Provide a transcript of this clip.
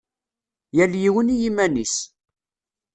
Yal yiwen i yiman-is.